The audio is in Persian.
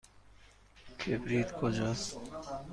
کبریت کجاست؟